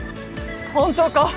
本当か？